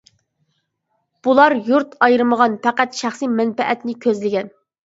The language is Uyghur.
بۇلار يۇرت ئايرىمىغان، پەقەت شەخسىي مەنپەئەتنى كۆزلىگەن.